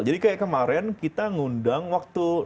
jadi kayak kemarin kita ngundang waktu